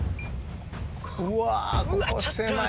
うわ。